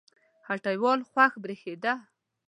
هټۍوال خوښ برېښېده